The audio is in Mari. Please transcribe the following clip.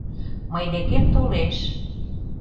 Мый декем толеш.